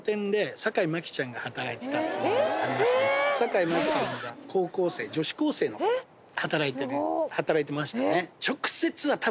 坂井真紀さんが高校生女子高生の頃働いてましたね